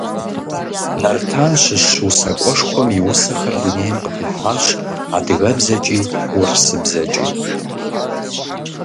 Нартан щыщ усакӀуэшхуэм и усэхэр дунейм къытехьащ адыгэбзэкӀи урысыбзэкӀи.